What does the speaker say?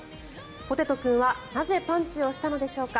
ぽてと君はなぜパンチをしたのでしょうか。